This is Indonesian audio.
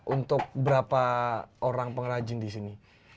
untuk berapa orang pengrajin di sini